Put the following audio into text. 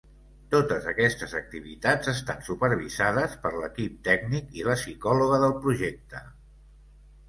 Totes aquestes activitats estan supervisades per l’equip tècnic i la psicòloga del projecte.